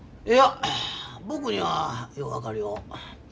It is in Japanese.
いや僕にはよう分かるよ。